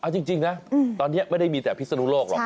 เอาจริงนะตอนนี้ไม่ได้มีแต่พิศนุโลกหรอก